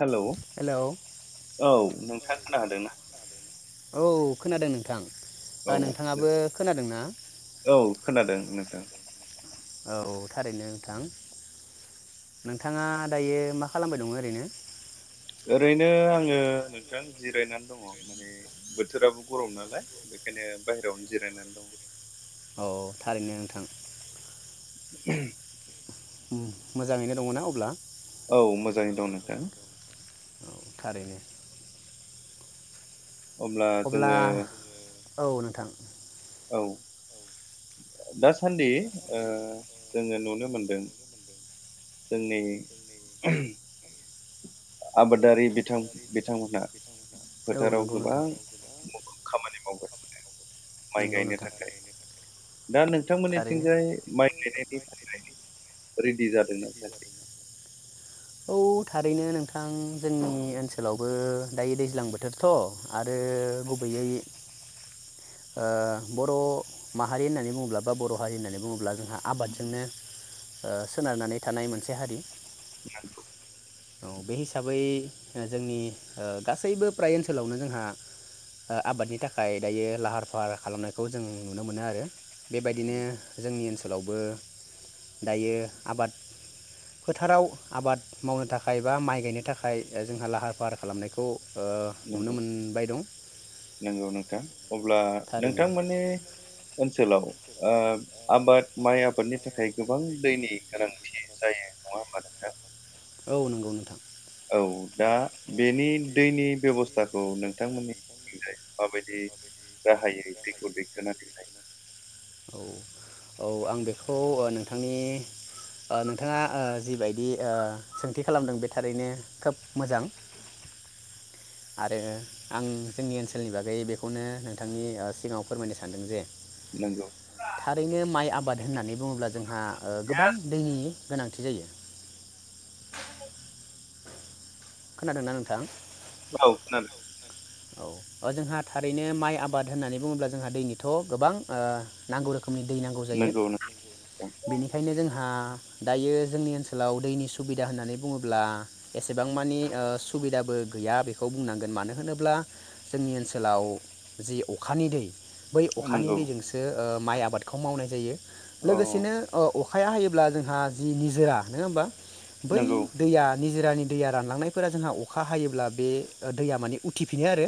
Hello hello औ नोंथाङा खोना हादोंना? थां औ नो औ खोनादों नोंथां। औ थारैनो नोंथां नोंथाङा दायो मा खालामबाय दं ओरैनो? ओरैनो आङो नोंथां जिरायनानै दङ माने बोथोराबो गरम नालाय बेखायनो बाहेरयावनो जिरायनानै दङ। औ थारैनो नोंथां। उ उम मोजाङैनो दङना अब्ला? औ मोजाङै दं नोंथां। औ थारैनो अब्ला औ नोंथां औ दासान्दि ओ जोङो नुनो मोनदों जोंनि आबादारि बिथां बिथांमोनहा औ फोथाराव नंगौ गोबां नोंथां मुखुब खामानि मावगासिनो माइ नोंगौ गायनो नोंथां थाखाय दा थारैनो नोंथांमोननिथिंजाय माइ गायनायनि थाखाय रेडि जादोंना जायाखै? औ थारैनो नोंथां जोंनि ओनसोलावबो दायो दैज्लां बोथोरथ आरो गुबैयै ओ बर माहारि नानै बुङोब्ला बा बर हारि नानै बुङोब्ला जोंहा आबादजोंनो ओ सोनारनानै थानाय मोनसे हारि [unintelligible] औ बे हिसाबै ओ जोंनि ओ गासैबो फ्राय ओनसोलावनो जोंहा ओ आबादनि थाखाय दायो लाहार फाहार खालामनायखौ जों नुनो मोनो आरो बेबायदिनो जोंनि ओनसोलावबो दायो आबाद फोथाराव आबाद मावनो थाखाय खाय बा माइ गायनो थाखाय जोंहा लाहार फाहार खालामनायखौ ओ नुनो नंगौ मोनबाय दं नंगौ नोंथां अब्ला थारैनो नोंथांमोननि ओनसोलाव ओ आबाद माइ आबादनि थाखाय गोबां दैनि गोनांथि जायो नङा होनबा नोंथां? औ नंगौ नोंथां औ दा बेनि दैनि बेब'स थाखौ नोंथांमोननिथिंजाय माबायदि - - बे गाहायै दैखौ दैखोनो दोननाय औ औ आं बेखौ नोंथांनि ओ नोंथाङा ओ जिबायदि ओ सोंथि खालामदों बे थारैनो खोब मोजां। आरो आं जोंनि ओनसोलनि बागै बेखौनो नोंथांनि ओ सिगाङाव फोरमायनो सानदों जे नंगौ थारैनो माइ आबाद होननानै बुङोब्ला जोंहा ओ गोबां यस दैनि गोनांथि जायो। [inaudible] खोनादोंना नोंथां औ खोनादों औ जोंहा थारैनो माइ आबाद होननानै बुङोब्ला जोंहा दैनिथ ओ गोबां नांगौ। रोखोमनि दै नांगौ जायो नंगौ नोंथां बेनिखायनो जोंहा दायो जोंनि ओनसोलाव दैनि सुबिदा होननानै बुङोब्ला एसेबां मानि सुबिदाबो गैया बेखौ बुंनांगोन मानो होनोब्ला जोंनि ओनसोलाव जि अखानि दै बै अखानि नंगौ दैजोंसो ओ माइ आबादखौ मावनाय जायो। अ लोगोसेनो अ अखा खाया हयोब्ला जोंहा जि निजोरा नङा होमबा बै नंगौ दैया निजोरानि दैया रानलांनाय फोरा जोंहा अखा हायोब्ला बे दैया माने उथिफिनो आरो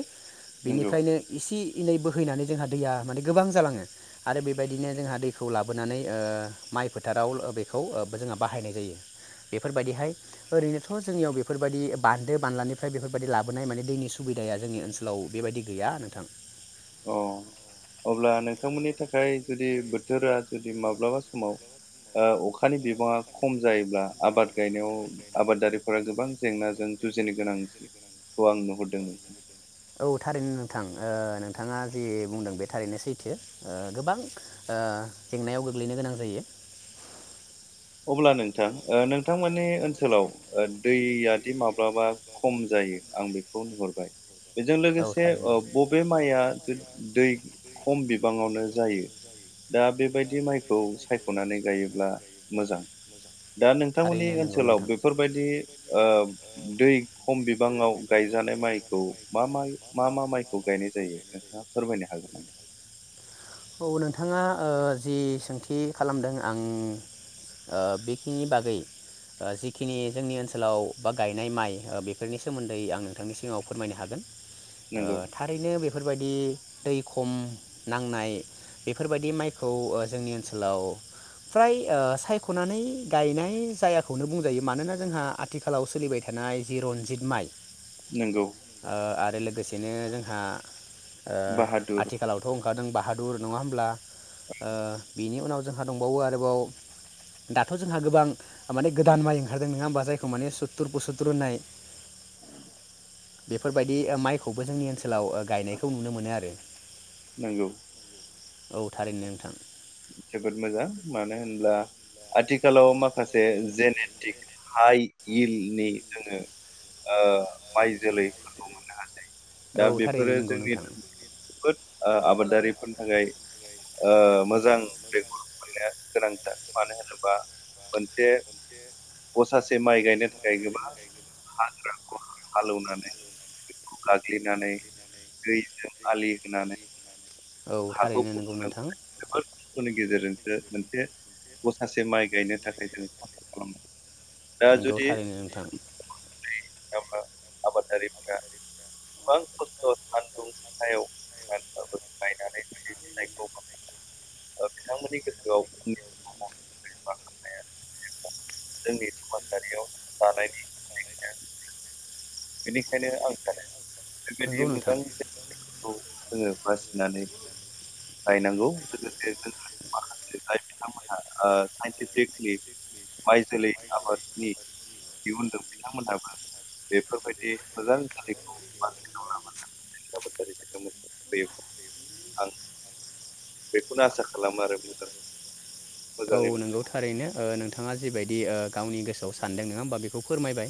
नंगौ बेनिफ्रायनो एसे इनै बोहैनानै जोंहा दैया माने गोबां जालाङो आरो बेबायदिनो जोंहा दैखौ लाबोनानै ओ माइ फोथाराव बेखौ जोंहा बाहायनाय जायो बेफोरबायदिहाय ओरैनोथ' जोंनियाव बेफोरबायदि बान्दो बानलानिफ्राय बेफोरबायदि लाबोनाय माने दैनि सुबिदाया जोंनि ओनसोलाव बेबायदि गैया नोंथां अ अब्ला नोंथांमोननि थाखाय जुदि बोथोरा जुदि माब्लाबा समाव ओ अखानि बिबाङा खम जायोब्ला आबाद गायनायाव आबादारिफोरा गोबां जेंनाजों जुजिनो गोनांखौ आं नुहरदों। औ थारैनो नोंथां ओ नोंथाङा जि बुंदों बे थारैनो सैथो ओ गोबां ओ जेंनायाव गोग्लैनो गोनां जायो। उब्ला नोंथां ओ थांमोननि ओनसोलाव दैयादि माब्लाबा खम जायो आं बेखौ नुहुरबाय बेजों औ लोगोसे थारैनो बबे माइआ दै खम बिबाङावनो जायो दा बे बेबायदि माइखौ सायखनानै गायोब्ला मोजां दा नोंथांमोननि थारैनो नंगौ ओनसोलाव नोंथां बेफोरबायदि ओ दै खम बिबाङाव गायजानाय माइखौ मा मा मा मा माइखौ गायनाय जायो नोंथाङा फोरमायनो हागोन नामा? औ नोंथाङा ओ जि सोंथि खालामदों आं ओ बेखिनि बागै ओ जिखिनि जोंनि ओनसोलाव बा गायनाय माइ ओ बेफोरनि सोमोन्दै आं नोंथांनि सिगाङाव फोरमायनो हागोन। नंगौ थारैनो बेफोरबायदि दै खम नांनाय बेफोरबायदि माइखौ खौ ओ जोंनि ओनसोलाव फ्राय सायखनानै गायनाय जायाखौनो बुंजायो मानोना जोंहा आथिखालाव सोलिबाय थानाय जि रनजित माइ नंगौ ओ आरो लोगोसे बिदिनो जोंहा ओ बाहादुर आथिखालावथ ओंखारदों बा हादुर नङा होनब्ला ओ बिनि उनाव जोंहा दंबावो आरोबाव दाथ' जोंहा गोबां माने गोदान माइ ओंखारदों नोङा होम्बा? जायखौ माने सुत्तुर बुसुत्तुर होननाय। बेफोरबायदि ओ माइखौबो जोंनि ओनसोलाव गायनायखौ नुनो मोनो आरो। नोंगौ। औ थारैनो नोंथां। जोबोद मोजां मानो होनब्ला आथिखालाव माखासे जेनेटिक हाइ इलनि जोङो ओ माइ जोलैफोरखौ मोननो हासै। औ दा थारैनो बेफोरो नंगौ जोंनि नोंथां बोद आ आबाद दारि फोरनि थाखाय ओ मोज मोजां बेगर मोननाया गोनांथार मानो होनोबा मोनसे गसासि दि माइ गायनो थाखाय गोबां हाग्रा हालौनानै बेखौ गाग्लिनानै दैजों आलि होनानै औ थारैनो नोंगौ नोंथां। नि गेजेरजोंसो मोनसे गसासे माइ गायनो थाखाय जों सापर खालामो दा नोंगौ जुदि थारैनो नोंथां। [unintelligible] आबादारिफोरा गोबां खस्थ' सान्दुं सायावखाबो नायनानै जिनायखौ ओ बिथांमोननि गोसोआवनि [inaudible] माखासे [inaudible] जोंनि समाजारियाव जानायनि [unintelligible] बेनिखायनो आं सानो। नंगौ नोंथां [unintelligible] बासिनानै लायनांगौ लोगोसे जोङो माखासे जाय बिथांमोनहा ओ साइन्टिफिकलि माइ जोलै आबादनि इयुन द बिथांमोनहाबो बेफोरबायदि मोजां जोलैखौ बाराव लाबोनानै आबादारि [unintelligible] आं बे। बेखौनो आसा खालामो आरो बुंदों औ नंगौ थारैनो ओ नोंथाङा जिबायदि ओ गावनि गोसोआव सानदों नङा होमबा बेखौ फोरमायबाय।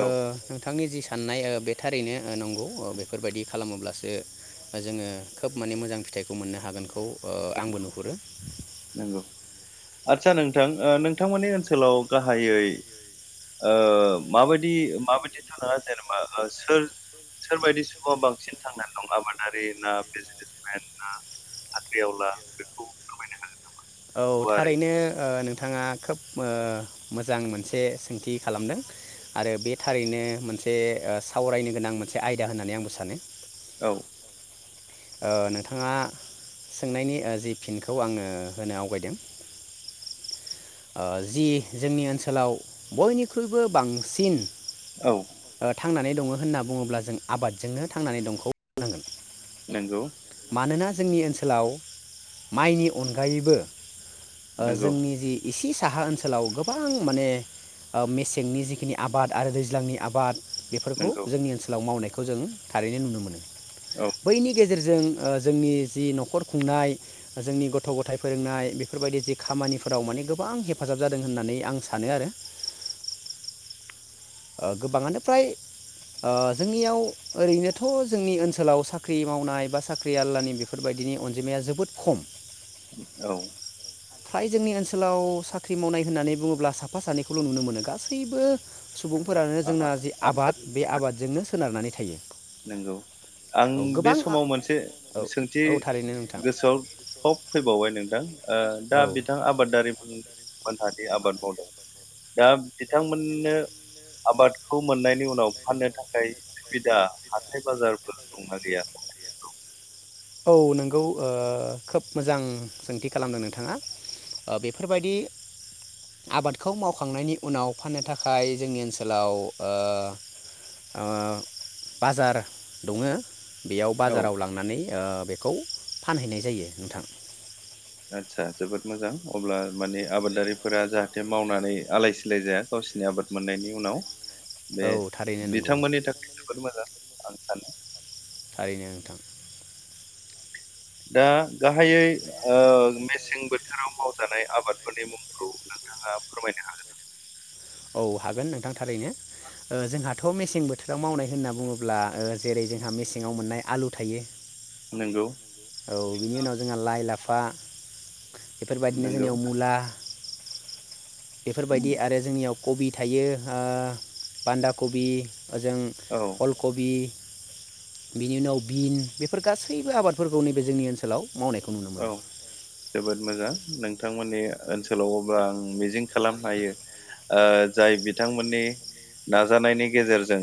ओ औ नोंथां बिथांनि जि साननाय ओ बे थारैनो नंगौ बेफोरबायदि खालामोब्लासो जोङो खोब माने मोजां फिथाइखौ मोननो हागोनखौ ओ नों- आंबो नुहुरो [inaudible] नंगौ आदसा नोंथां नोंथांमोननि ओनसोलाव गाहायै ओ माबायदि माबायदिथ' नङा जेनेबा सोर सोरबायदि सुबुङा बांसिन थांनानै दं आबादारि ना बिजनेसमेन ना साख्रिआवला बेखौ फोरमायनो हागोन। औ थारैनो ओ नों नोंथाङा खोब ओ मोजां मोनसे सोंथि खालामदों आरो बे थारैनो मोनसे ओ सावरायनो गोनां मोनसे आयदा होननानै आंबो सानो। औ। ओ नोंथाङा सोंनायनि जि फिनखौ आङो होनो आवगायदों ओ जि जोंनि ओनसोलाव बयनिख्रुइबो बांसिन औ ओ थांनानै दङ होनना बुङोब्ला जों आबादजोंनो थांनानै दंखौ नंगौ। मानोना जोंनि ओनसोलाव माइनि अनगायैबो ओ नंगौ जोंनि रि इसेसे साहा ओनसोलाव गोबां माने ओ मेसेंनि जिखिनि आबाद आरो दैज्लांनि आबाद बेफोरखौ नंगौ जोंनि ओनसोलाव मावनाय खौ जों थारैनो नुनो मोनो। औ बैनि गेजेर जों ओ जोंनि जि नखर खुंनाय जोंनि गथ' गथाइ फोरोंनाय बेफोरबायदि जि खामानिफोराव माने गोबां हेफाजाब जादों होननानै आं सानो आरो। ओ गोबाङानो फ्राय ओ जोंनियाव ओरैनोथ' जोंनि ओनसोलाव साख्रि मावनाय बा साख्रि [unintelligible] नि बेफोरबायदिनि अन अनजिमाया जोबोद खम। औ। फ्राय जोंनि ओनसोलाव साख्रि मावनाय होननानै बुङोब्ला साफा सानैखौल' नुनो मोनो गासैबो सुबुंफोरानो आ- जोंना आ- जि आ- आबाद बे आबादजोंनो सोनारनानै थायो। हायो। नोंगौ आं बे समाव मोनसे औ सोंथि औ थारैनो नोंथां गोसोआव थब फैबावबाय नोंथां ओ दा औ बिथां आबादारिमोन जाहाथे आबाद मावदों। दा बिथांमोननो आबादखौ मोननायनि उनाव फाननो थाखाय सुबिदा हाथाइ बाजारफोर दंना गैया? औ नोंगौ ओ खोब मोजां सोंथि खालामदों नोंथाङा ओ बेफोरबायदि आबादखौ मावखांनायनि उनाव फाननो थाखाय जोंनि ओनसोलाव ओ ओ बाजार दङो। बेयाव औ बाजाराव लांनानै ओ बेखौ फानहैनाय जायो नोंथां। आदसा जोबोद मोजां अब्ला माने आबादारिफोरा जाहाथे मावनानै आलाय सिलाय जाया गावसिनि आबाद मोननायनि उनाव। बे औ थारैनो नंगौ बिथांमोननि थाखाय जोबोद मोजां। आंखाल थारैनो नोंथां दा गाहायै ओ मेस [unintelligible] बोथोराव मावजानाय आबादफोरनि मुंखौ नोंथाङा फोरमायनो हागोन नामा? औ हागोन नोंथां। थारैनो ओ जोंहाथ थ मेसें बोथोराव मावनाय होनना बुङोब्ला ओ जेरै जोंहा मेसेंआव मोननाय आलु थायो। हागोन नंगौ औ बिनि उनाव जोंहा लाइ लाफ बा बेफोरबायदिनो नंगौ जोंनियाव मुला बेफोरबायदि आरो जोंनियाव कबि थायो ओ बान्दा कबि ओजों औ अलकबि बिनि उनाव बिन बेफोर गासैबो आबादफोरखौ नैबे जोंनि ओनसोलाव मावनायखौ नुनो मोनो औ जोबोद मोजां। नोंथांमोननि ओनसोलाव अब्ला आं मिजिं खालामनो हायो ओ जाय बिथांमोननि नाजानायनि गेजेरजों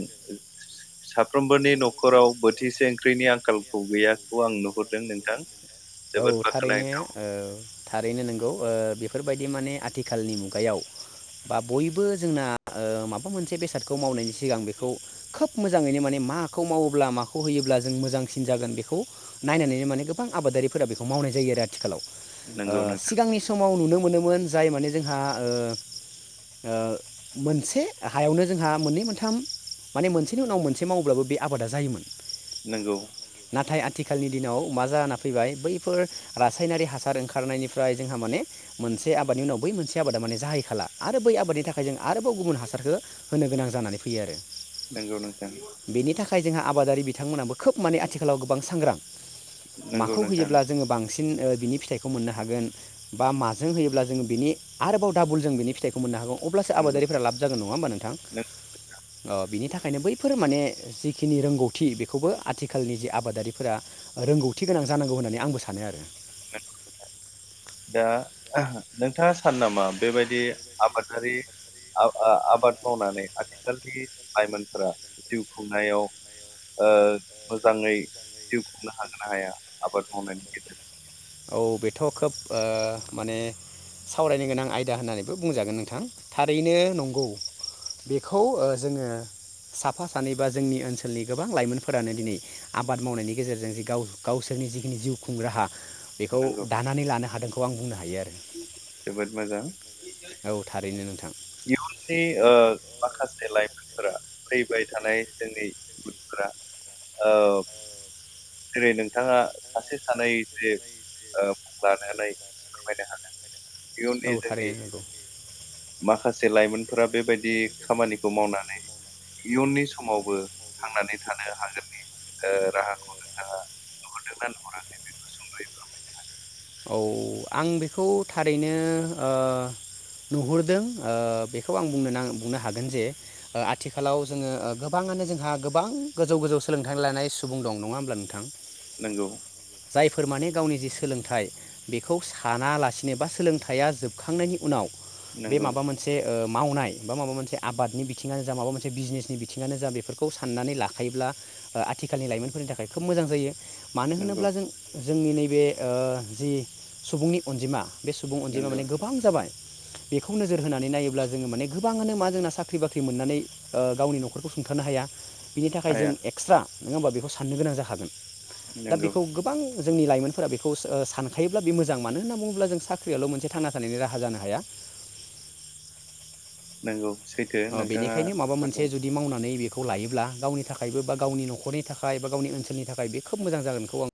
साफ्रोमबोनि नखराव बोथिसे ओंख्रिनि आंखालखौ गैयाखौ आं नुहुरदों नोंथां औ जोबोद थारैनो बाख्नायथाव ओ थारैनो नोंगौ। ओ बेफोरबायदि माने आथिखालनि मुगायाव बा बयबो जोंना ओ माबा मोनसे बेसादखौ मावनायनि सिगां बेखौ खोब मोजाङैनो माने माखौ मावोब्ला माखौ होयोब्ला जों मोजांसिन जागोन बेखौ नायनानैनो माने गोबां आबादारि फोरा बेखौ मावनाय जायो आरो आथिखालाव ओ नंगौ नोंथां सिगांनि समाव नुनो मोनोमोन जाय माने जोंहा ओ ओ मोनसे हायावनो जोंहा मोननै मोनथाम माने मोनसेनि उनाव मोनसे मावोब्लाबो बे आबादा जायोमोन। नोंगौ। खालनि दिनाव मा जाना फैबाय? बैफोर रासायनारि हासार ओंखारनायनिफ्राय जोंहा माने मोनसे आबादनि उनाव बै मोनसे आबादा माने जाहैखाला आरो बै आबादनि थाखाय जों आरोबाव गुबुन हासारखो होनो गोनां जानानै फैयो आरो नंगौ नोंथां बेनि थाखाय जोंहा आबादारि बि बिथांमोनहाबो खोब माने आथिखालाव गोबां सांग्रां नंगौ नों जेब्ला जोङो बांसि सिन ओ बिनि फिथाइखौ मोननो हागोन बा माजों होयोब्ला जोङो बिनि आरोबाव डाबल जों बिनि फिथाइखौ मोननो हागौ अब्लासो नंगौ आबादारिफोरा लाब जागोन नङा होमबा नोंथां नों ओ बिनि थाखायनो बैफोर माने जिखिनि रोंगौथि बेखौबो आथिखालनि जि आबादारिफोरा रोंगौथि गोनां जानांगौ होननानै आंबो सानो आरो दा नोंथाङा सानो नामा बेबायदि आबादारि आबा आबाद मावनानै आथिखालनि लाइमोनफोरा जिउ खुंनायाव ओ मोजाङै जिउ खुंनो हागोन ना हाया आबाद मावनायनि गेजेरजों? औ बेथ' खोब ओ माने सावरायनो गोनां आयदा होननानैबो बुंजागोन नोंथां थारैनो नंगौ बेखौ ओ जोङो साफा सानै बा जोंनि ओनसोलनि गोबां लाइमोनफोरानो दिनै आबाद मावनायनि गेजेरजों गाव गावसोरनि जिखिनि जिउखुं राहा बेखौ नंगौ दानानै लानो हादोंखौ आं बुंनो हायो आरो। जोबोद मोजां औ थारैनो नोंथां [unintelligible] ओ माखासे लाइमोनफोरा फैबाय थानाय जोंनि गथ'फोरा औ जेरै नोंथाङा सासे सानै जे ओ मुं लानानै फोरमायनो हागोन। इउननि औ जोंनि थारैनो नंगौ माखासे जे लाइमोनफोरा बेबायदि खामानिखौ मावनानै इयुननि समावबो थांनानै थानो हागोननि ओ राहाखौनो ओ नुहुरदोंना नुहराखै बेखौ सुंदयै फोरमायनो हागोन औ आं बेखौ थारैनो ओ नुहुरदों ओ बेखौ आं बुंनो नां बुंनो हागोन जे आथिखालाव जोंङो गोबाङानो जोंहा गोबां गोजौ गोजौ सोलोंथाइ लानाय सुबुं दं नङा होमब्ला नोंथां नंगौ। फोर माने गावनि जि सोलोंथाइ बेखौ सानालासिनो बा सोलोंथाइया जोबखांनायनि उनाव बे नंगौ माबा मोनसे ओ मावनाय बा माबा मोनसे आबादनि बिथिङानो जा माबा मोनसे बिजनेसनि बिथिङानो जा बेफोरखौ साननानै लाखायोब्ला ओ आथिखालनि लाइमोनफोरनि थाखाय खोब मोजां जायो। मानो नंगौ होनोब्ला जों जोंनि नैबे ओ जि सुबुंनि अनजिमा बे सुबुं अनजिमाया नंगौ माने गोबां जाबाय बेखौ नोजोर होनानै नायोब्ला जोंङो माने गोबाङानो मा जोंना साख्रि बाख्रि मोननानै ओ गावनि नखरखौ सुंथानो हाया बिनि थाखाय जों हाया एक्सट्रा नङा होमबा बेखौ साननो गोनां जाखागोन दा नंगौ बेखौ गोबां जोंनि लाइमोनफोरा बेखौ ओ सान खायोब्ला बे मोजां मानो होनना बुङोब्ला जों साख्रियावल मोनसे थांना थानायनि राहा जानो हाया नंगौ। सैथो अ नोंथाङा बेनिखायनो माबा थार मोनसे बुंदों। जुदि मावनानै बेखौ खौ लायोब्ला गावनि थाखायबो बा गावनि नखरनि थाखाय बा गावनि ओनसोलनि थाखाय बे खोब मोजां जागोनखौ आं